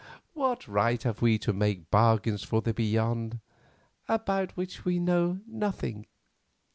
What right have we to make bargains for the Beyond, about which we know nothing?"